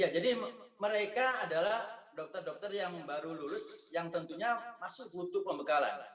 ya jadi mereka adalah dokter dokter yang baru lulus yang tentunya masih butuh pembekalan